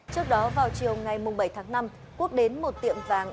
trước đó vào chiều ngày bảy tháng năm quốc đến một tiệm vàng